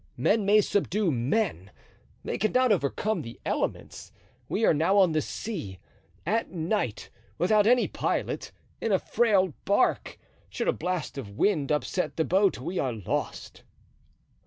Men may subdue men—they cannot overcome the elements. We are now on the sea, at night, without any pilot, in a frail bark; should a blast of wind upset the boat we are lost."